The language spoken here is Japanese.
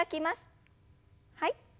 はい。